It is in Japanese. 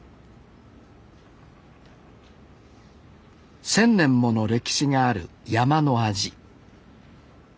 １，０００年もの歴史がある山の味